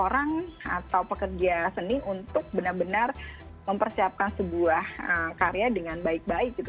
orang atau pekerja seni untuk benar benar mempersiapkan sebuah karya dengan baik baik gitu